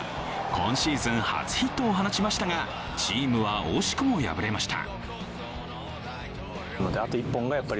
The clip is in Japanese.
今シーズン初ヒットを放ちましたが、チームは惜しくも敗れました。